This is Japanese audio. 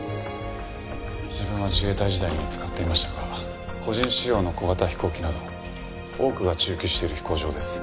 自分は自衛隊時代に使っていましたが個人使用の小型飛行機など多くが駐機している飛行場です。